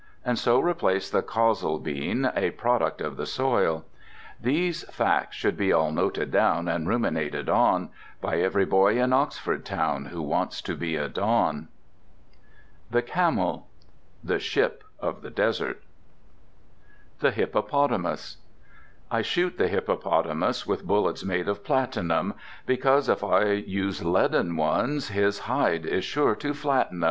And so replace the colza bean (A product of the soil). These facts should all be noted down And ruminated on, By every boy in Oxford town Who wants to be a Don. The Camel "The Ship of the Desert." The Hippopotamus I shoot the Hippopotamus with bullets made of platinum, Because if I use leaden ones his hide is sure to flatten 'em.